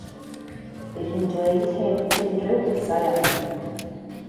Bydd hi'n dweud heb unrhyw bwysau arni.